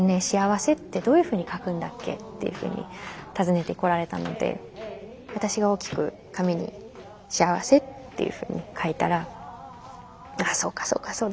しあわせってどういうふうに書くんだっけ」っていうふうに尋ねてこられたので私が大きく紙に「幸せ」っていうふうに書いたら「ああそうかそうか。